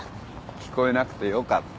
聞こえなくてよかった。